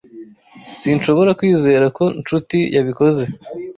Sinshobora kwizera ko Nshuti yabikoze.